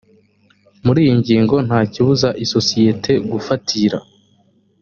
muri iyi ngingo ntakibuza isosiyete gufatira